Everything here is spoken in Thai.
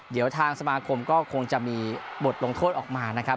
เดี๋ยวทางสมาคมก็คงจะมีบทลงโทษออกมานะครับ